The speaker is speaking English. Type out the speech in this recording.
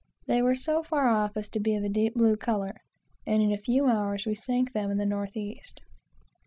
They were so far off as to be of a deep blue color, and in a few hours we sank them in the north east.